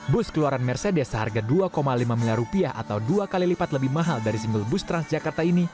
bus keluaran mercedes seharga dua lima miliar rupiah atau dua kali lipat lebih mahal dari single bus transjakarta ini